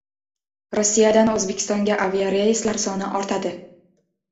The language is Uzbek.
Rossiyadan O‘zbekistonga aviareyslar soni ortadi